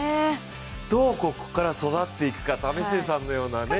どうここから育っていくのか、為末さんのようなね。